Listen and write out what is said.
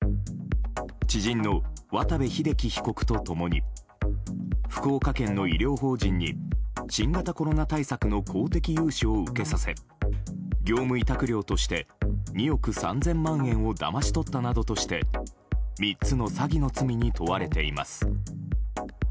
知人の渡部秀規被告と共に福岡県の医療法人に新型コロナ対策の公的融資を受けさせ業務委託料として２億３０００万円をだまし取ったなどとして３つの詐欺の罪に問われています。